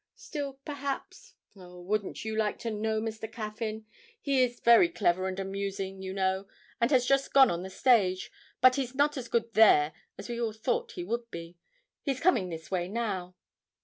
Still perhaps Oh, wouldn't you like to know Mr. Caffyn? He is very clever and amusing, you know, and has just gone on the stage, but he's not as good there as we all thought he would be. He's coming this way now.'